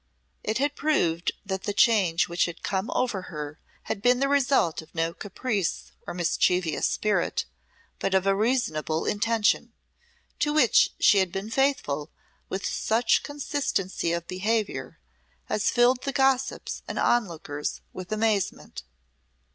It had proved that the change which had come over her had been the result of no caprice or mischievous spirit but of a reasonable intention, to which she had been faithful with such consistency of behaviour as filled the gossips and onlookers with amazement.